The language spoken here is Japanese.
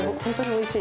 おいしい。